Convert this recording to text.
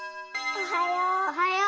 おはよう。